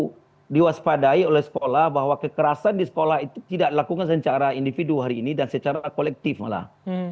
itu diwaspadai oleh sekolah bahwa kekerasan di sekolah itu tidak dilakukan secara individu hari ini dan secara kolektif malah